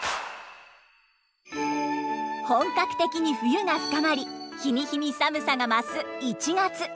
本格的に冬が深まり日に日に寒さが増す１月。